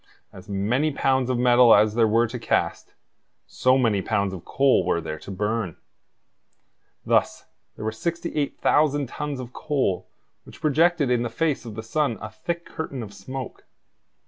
As many pounds of metal as there were to cast, so many pounds of coal were there to burn. Thus there were 68,000 tons of coal which projected in the face of the sun a thick curtain of smoke.